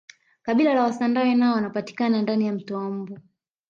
kabila la wasandawe nao wanapatikana ndani ya mto wa mbu